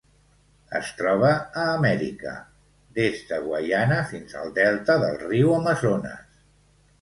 Es troba a Amèrica: des de Guaiana fins al delta del riu Amazones.